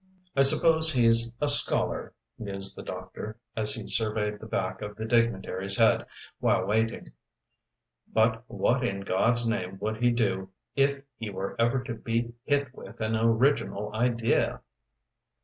"I suppose he's a scholar," mused the doctor, as he surveyed the back of the dignitary's head while waiting, "but what in God's name would he do if he were ever to be hit with an original idea?"